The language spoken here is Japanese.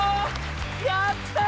やった！